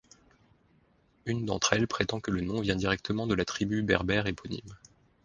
Une d'entre elles prétend que le nom vient directement de la tribu berbère éponyme.